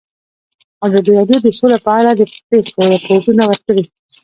ازادي راډیو د سوله په اړه د پېښو رپوټونه ورکړي.